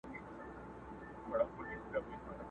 بوی د اصیل ګلاب په کار دی!